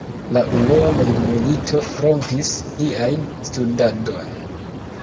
La unua mondmilito rompis lian studadon.